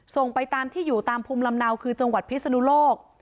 ไปตามที่อยู่ตามภูมิลำเนาคือจังหวัดพิศนุโลก